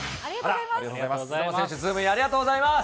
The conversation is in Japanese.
ありがとうございます。